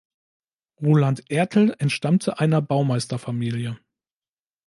Roland Ertl entstammte einer Baumeisterfamilie.